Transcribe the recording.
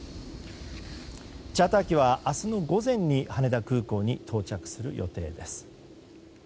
チャーター機は明日の午前に羽田空港に到着する予定です。